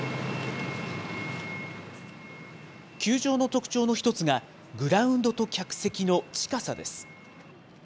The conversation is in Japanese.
球場の特徴の一つが、グラウンドと客席の近さです。